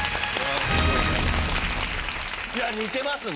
いやあ似てますね。